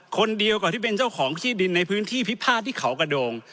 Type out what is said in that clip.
คนเดียวกับที่เป็นเจ้าของที่ดินในพื้นที่พิพาทที่เขากระโดง